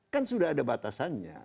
kan sudah ada batasannya